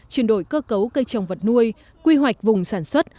chuyển đổi cơ cấu cây trồng vật nuôi quy hoạch vùng sản xuất